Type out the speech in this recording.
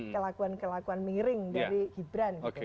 kelakuan kelakuan miring dari gibran